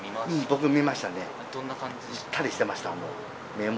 ぐったりしてました。